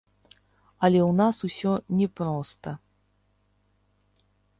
Але ў нас усё не проста.